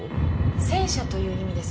「戦車」という意味です。